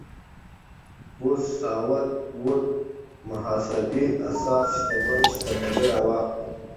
بوث ساوت ووډ محاسبې اساس شتمن شتمني راواخلو.